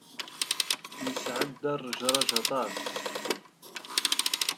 Yesɛedda ṛejṛaj aṭas.